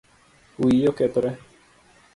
Wiyi okethore